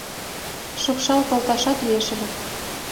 Шупшал колташат лиеш ыле...